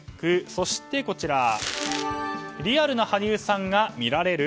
そしてリアルな羽生さんが見られる？